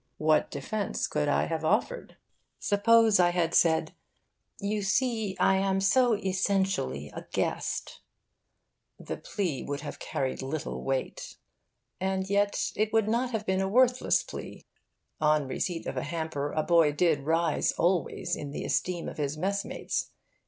What defence could I have offered? Suppose I had said 'You see, I am so essentially a guest,' the plea would have carried little weight. And yet it would not have been a worthless plea. On receipt of a hamper, a boy did rise, always, in the esteem of his mess mates.